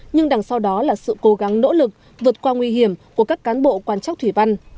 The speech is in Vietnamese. nhưng đằng sau đó là sự cố gắng nỗ lực vượt qua nguy hiểm của các cán bộ quan trắc thủy văn